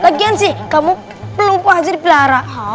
lagian sih kamu lupa aja di pelihara